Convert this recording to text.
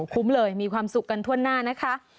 คุ้มเลยมีความสุขกันทั่วหน้านะคะ